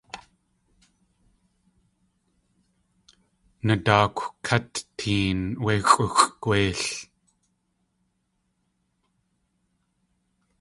Nadáakw kát téen wé xʼúxʼ gwéil.